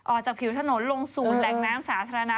ออกจากผิวถนนลงสู่แหล่งน้ำสาธารณะ